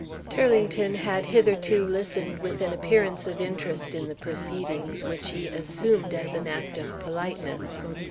Turlington had hitherto listened with an appearance of interest in the proceedings, which he assumed as an act of politeness.